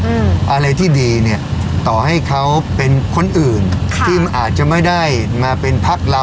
อะไรที่ดีเนี้ยต่อให้เขาเป็นคนอื่นค่ะที่อาจจะไม่ได้มาเป็นพักเรา